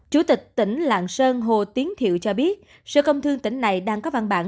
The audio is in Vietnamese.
chủ tịch tỉnh làng sơn hồ tiến thiệu cho biết sự công thương tỉnh này đang có văn bản